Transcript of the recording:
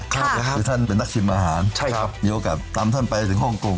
คือท่านเป็นนักชิมอาหารใช่ครับมีโอกาสตามท่านไปถึงฮ่องกง